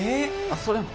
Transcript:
あっそれも。